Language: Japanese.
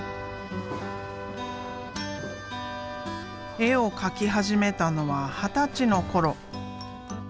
絵を描き始めたのは二十歳の頃。